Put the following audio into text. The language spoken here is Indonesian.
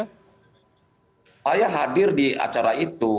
saya hadir di acara itu